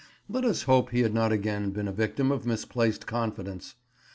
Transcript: Let us hope he has not again been a victim of misplaced confidence!